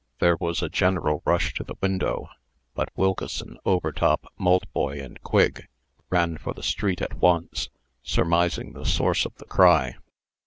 There was a general rush to the window; but Wilkeson, Overtop, Maltboy, and Quigg ran for the street at once, surmising the source of the cry.